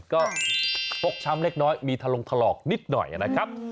ก็ฟกช้ำเล็กน้อยมีทะลงถลอกนิดหน่อยนะครับ